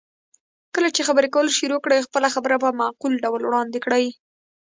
کله چې خبرې کول شروع کړئ، خپله خبره په معقول ډول وړاندې کړئ.